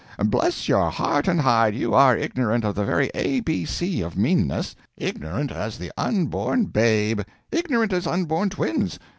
Bless your heart and hide, you are ignorant of the very A B C of meanness! ignorant as the unborn babe! ignorant as unborn twins!